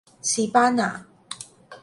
士巴拿